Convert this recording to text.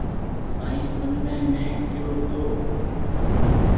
سائين تمني مينٚ ڪيو تو